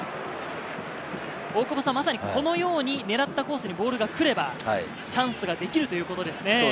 まさにこのように狙ったコースにボールがくれば、チャンスができるということですね。